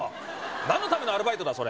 何のためのアルバイトだそれ